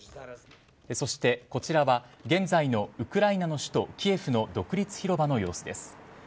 そして、こちらは現在のウクライナの首都・キエフの独立広場の様子です。